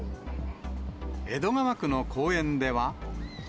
江戸川区の公園では。